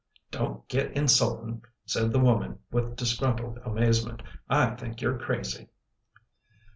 " Don't get insultin', " said the woman with dis gruntled amazement. " I think you're crazy."